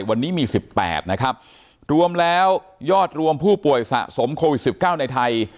วันนี้มี๑๘นะครับรวมแล้วยอดรวมผู้ป่วยสะสมโควิด๑๙ในไทย